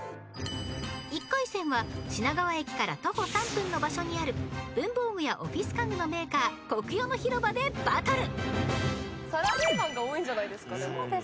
［１回戦は品川駅から徒歩３分の場所にある文房具やオフィス家具のメーカーコクヨの広場でバトル］